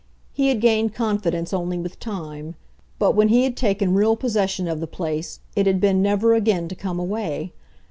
He had gained confidence only with time, but when he had taken real possession of the place it had been never again to come away.